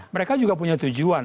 mereka juga punya tujuan